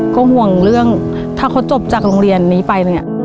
ก็ห่วงเรื่องถ้าเขาจบจากโรงเรียนนี้ไปเนี่ย